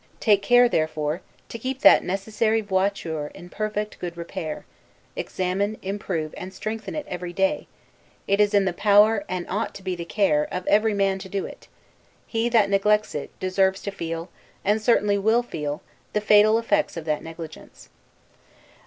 Take care, therefore, to keep that necessary 'voiture' in perfect good repair; examine, improve, and strengthen it every day: it is in the power, and ought to be the care, of every man to do it; he that neglects it, deserves to feel, and certainly will feel, the fatal effects of that negligence.